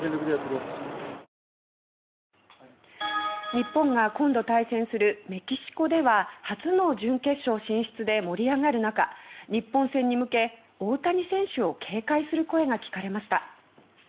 日本が今度対戦するメキシコでは初の準決勝進出で盛り上がる中日本戦に向け、大谷選手を警戒する声が聞かれました。